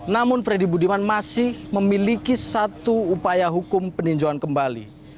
namun freddy budiman masih memiliki satu upaya hukum peninjauan kembali